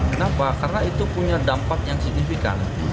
kenapa karena itu punya dampak yang signifikan